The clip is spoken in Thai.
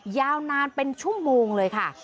ยาวนานเป็นชั่วโมงเลยค่ะ